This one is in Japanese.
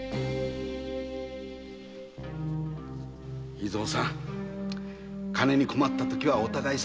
伊蔵さん金に困ったときはお互いさまだ